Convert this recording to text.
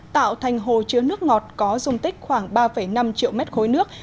tạo thành hồ chứa nước ngọt có dung tích khoảng ba năm triệu mét khối nước